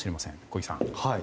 小木さん。